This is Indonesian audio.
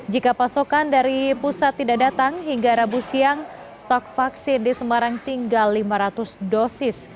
jika pasokan dari pusat tidak datang hingga rabu siang stok vaksin di semarang tinggal lima ratus dosis